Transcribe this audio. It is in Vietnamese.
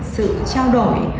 sự trao đổi